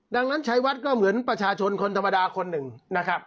ดังนั้นชัยวัดก็เหมือนประชาชนคนธรรมดาคนหนึ่งนะครับ